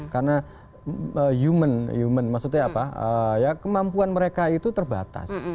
karena human human maksudnya apa ya kemampuan mereka itu terbatas